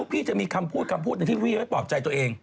พี่จะมีคำพูดในที่พี่ไม่ปลอบใจตัวเอง